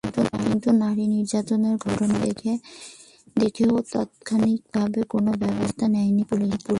কিন্তু নারী নির্যাতনের ঘটনার ছবি দেখেও তাৎক্ষণিকভাবে কোনো ব্যবস্থা নেয়নি পুলিশ।